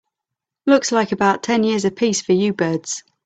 Looks like about ten years a piece for you birds.